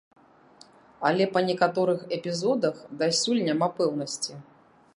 Але па некаторых эпізодах дасюль няма пэўнасці.